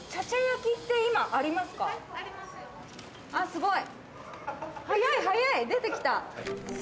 すごい。